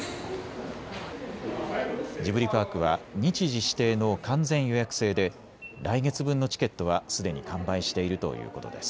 ジブリパークは日時指定の完全予約制で来月分のチケットはすでに完売しているということです。